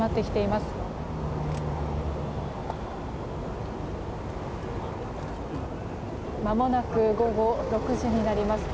まもなく午後６時になります。